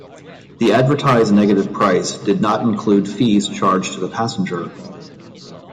The advertised negative price did not include fees charged to the passenger.